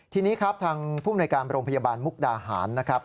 ทีนี้ทางผู้บริหรักรรมโรงพยาบาลมุกฎาหารนะครับ